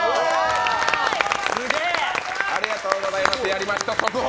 やりました、速報！